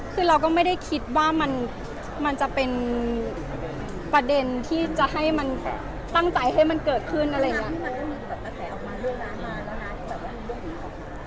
คือเราก็ไม่ได้คิดว่ามันมันจะเป็นประเด็นที่จะให้มันตั้งใจให้มันเกิดขึ้นอะไรอย่างนี้